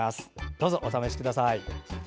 どうぞお試しください。